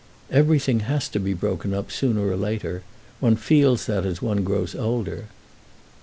"Everything has to be broken up sooner or later. One feels that as one grows older."